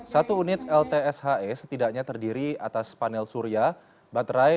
satu unit ltshe setidaknya terdiri atas panel surya baterai